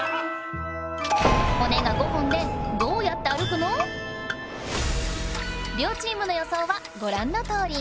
骨が５本でどうやって歩くの⁉りょうチームの予想はごらんのとおり。